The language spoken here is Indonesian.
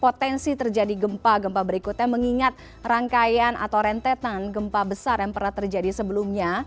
potensi terjadi gempa gempa berikutnya mengingat rangkaian atau rentetan gempa besar yang pernah terjadi sebelumnya